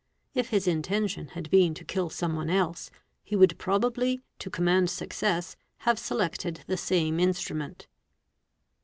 If his intention had been to kill someone else, he would probably to command success have selected the same instrument.